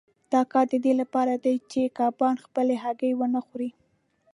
دا کار د دې لپاره دی چې کبان خپلې هګۍ ونه خوري.